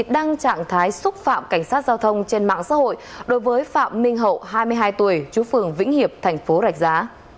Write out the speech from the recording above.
đăng trạng thái xúc phạm cảnh sát giao thông trên mạng xã hội đối với phạm minh hậu hai mươi hai tuổi chú phường vĩnh hiệp thành phố rạch giá